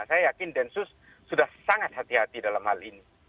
saya yakin densus sudah sangat hati hati dalam hal ini